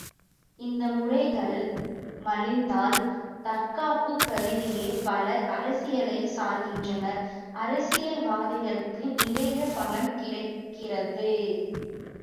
இந்த முறைகள் மலிந்ததால் தற்காப்புக் கருதியே பலர் அரசியலைச் சார்கின்றனர் அரசியல்வாதிகளுக்கு நிறைய பணம் கிடைக்கிறது.